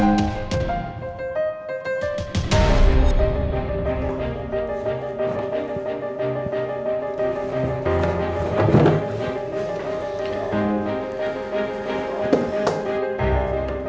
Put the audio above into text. mungkin gue bisa dapat petunjuk lagi disini